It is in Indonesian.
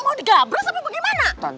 mau digabres apa bagaimana